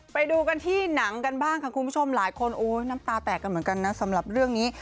ไปดูกันที่หนังกันบ้างค่ะคุณผู้ชมหลายคนโอ้ยน้ำตาแตกกันเหมือนกันนะสำหรับเรื่องนี้